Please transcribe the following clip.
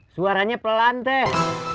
suaranya pelan teh